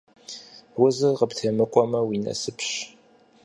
Узыр къыптемыкӀуэмэ, уи насыпщ.